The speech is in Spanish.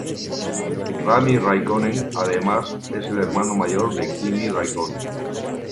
Rami Räikkönen además es el hermano mayor de Kimi Räikkönen.